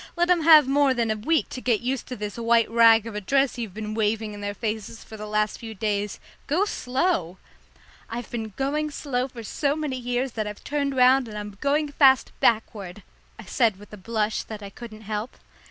Let 'em have more than a week to get used to this white rag of a dress you've been waving in their faces for the last few days. Go slow!" "I've been going so slow for so many years that I've turned round and I'm going fast backward," I said with a blush that I couldn't help.